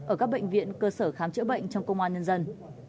ở các bệnh viện cơ sở khám chữa bệnh trong công an nhân dân